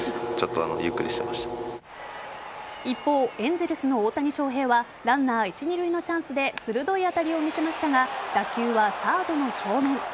一方エンゼルスの大谷翔平はランナー一・二塁のチャンスで鋭い当たりを見せましたが打球はサードの正面。